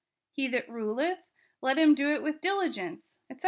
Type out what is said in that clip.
he that ruleth, let Imn do it with diligence, 8fc.